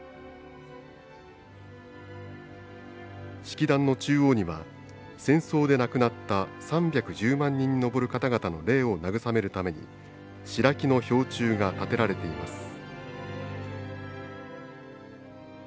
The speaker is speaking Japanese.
式壇の中央には戦争で亡くなった３１０万人に上る方々の霊を慰めるために白木の標柱が立てられています。